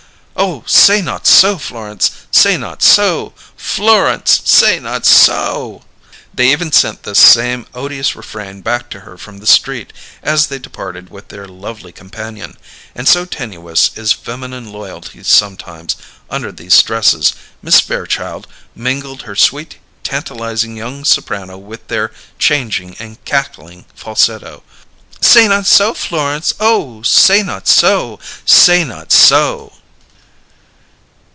"Oh, say not so! Florence, say not so! Florence! Say not so!" They even sent this same odious refrain back to her from the street, as they departed with their lovely companion; and, so tenuous is feminine loyalty sometimes, under these stresses, Miss Fairchild mingled her sweet, tantalizing young soprano with their changing and cackling falsetto. "Say not so, Florence! Oh, say not so! Say not so!"